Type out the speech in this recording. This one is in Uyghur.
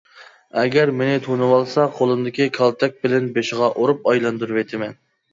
ئەگەر مېنى تونۇۋالسا قولۇمدىكى كالتەك بىلەن بېشىغا ئۇرۇپ ئايلاندۇرۇۋېتىمەن.